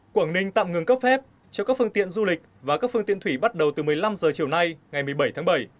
quảng ninh tạm ngừng cấp phép cho các phương tiện du lịch và các phương tiện thủy bắt đầu từ một mươi năm h chiều nay ngày một mươi bảy tháng bảy